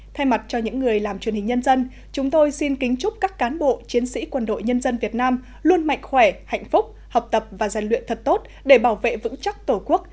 thay mặt cho những người làm truyền hình nhân dân chúng tôi xin kính chúc các cán bộ chiến sĩ quân đội nhân dân việt nam luôn mạnh khỏe hạnh phúc học tập và giàn luyện thật tốt để bảo vệ vững chắc tổ quốc